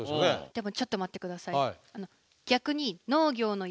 でもちょっと待って下さい。